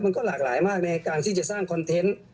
มันก็หลากหลายมากในการที่จะสร้างคอนเทนต์